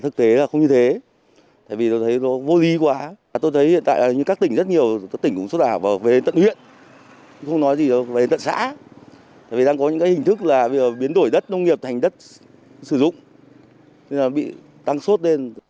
có những hình thức biến đổi đất nông nghiệp thành đất sử dụng bị tăng sốt lên